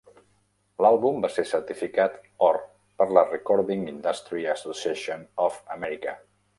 L'àlbum va ser certificat or per la Recording Industry Association of America.